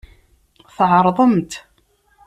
Tɛerḍemt.